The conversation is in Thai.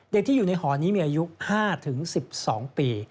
ที่อยู่ในหอนี้มีอายุ๕๑๒ปี